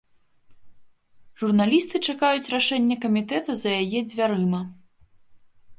Журналісты чакаюць рашэння камітэта за яе дзвярыма.